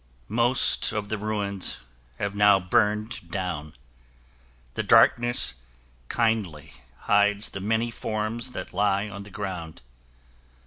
Most of the ruins have now burned down. The darkness kindly hides the many forms that lie on the ground.